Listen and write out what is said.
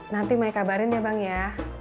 nanti main kabarin ya bang ya